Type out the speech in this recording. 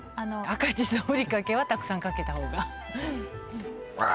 赤じそふりかけはたくさんかけた方がああ